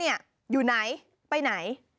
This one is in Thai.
อยู่ไหนไปไหน